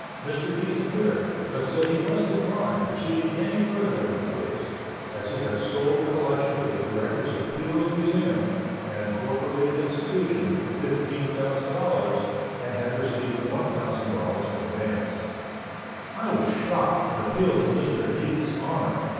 Mr. Heath appeared, but said he must decline proceeding any farther in my case, as he had sold the collection to the directors of Peale's Museum (an incorporated institution), for $15,000, and had received $1,000 in advance. I was shocked, and appealed to Mr. Heath's honor.